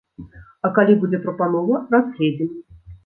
А калі будзе прапанова, разгледзім.